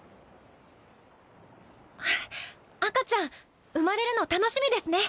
あっ赤ちゃん生まれるの楽しみですね。